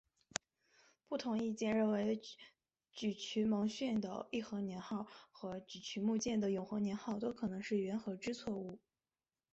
不同意见认为沮渠蒙逊的义和年号和沮渠牧犍的永和年号都可能是缘禾之错误。